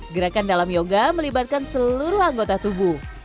gerakan dalam yoga melibatkan seluruh anggota tubuh